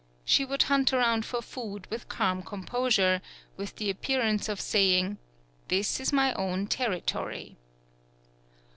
She would hunt around for food with calm composure, with the appearance of saying: "This is my own territory."